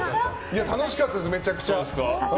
楽しかったです、めちゃくちゃ。